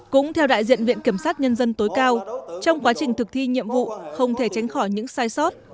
cũng theo đại diện viện kiểm sát nhân dân tối cao trong quá trình thực thi nhiệm vụ không thể tránh khỏi những sai sót